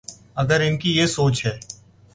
اگر ان کی یہ سوچ ہے۔